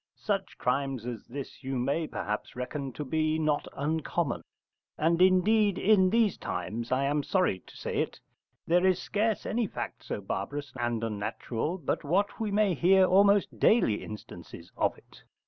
Such crimes as this you may perhaps reckon to be not uncommon, and, indeed, in these times, I am sorry to say it, there is scarce any fact so barbarous and unnatural but what we may hear almost daily instances of it.